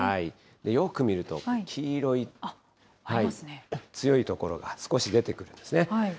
よく見ると、黄色い、強い所少し出てくるんですね。